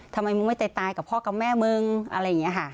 ทำไมมึงไม่ตายกับพ่อกับแม่มึงอะไรอย่างนี้ค่ะ